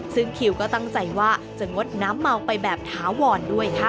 ซึ่งคิวก็ตั้งใจว่าจะงดน้ำเมาไปแบบถาวรด้วยค่ะ